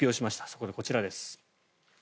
そこでこちらです。